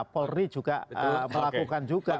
polri juga melakukan juga